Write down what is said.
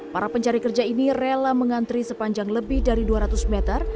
para pencari kerja ini rela mengantri sepanjang lebih dari dua ratus meter